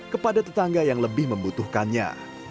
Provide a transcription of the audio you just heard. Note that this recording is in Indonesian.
kepada tetangga yang lebih membutuhkannya